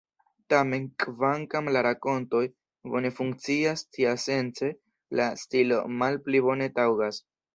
Tamen, kvankam la rakontoj bone funkcias tiasence, la stilo malpli bone taŭgas.